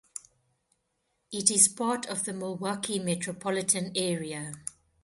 It is part of the Milwaukee metropolitan area.